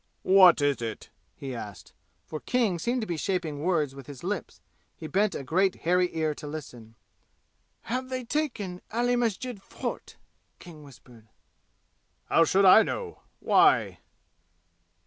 "What is it?" he asked. For King seemed to be shaping words with his lips. He bent a great hairy ear to listen. "Have they taken Ali Masjid Fort?" King whispered. "How should I know? Why?"